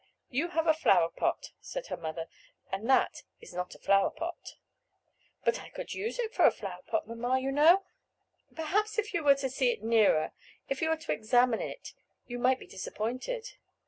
"You have a flower pot," said her mother, "and that is not a flower pot." "But I could use it for a flower pot, mamma, you know." "Perhaps if you were to see it nearer, if you were to examine it you might be disappointed."